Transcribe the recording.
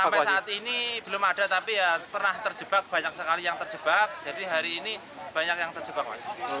sampai saat ini belum ada tapi ya pernah terjebak banyak sekali yang terjebak jadi hari ini banyak yang terjebak pak